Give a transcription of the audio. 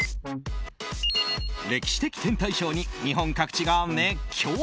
歴史的天体ショーに日本各地が熱狂。